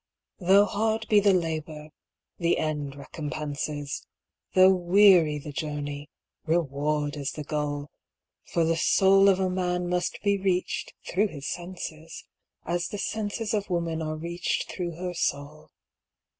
Though hard be the labour, the end recompenses Though weary the journey, reward is the goal. For the soul of a man must be reached through his senses, As the senses of woman are reached through her soul.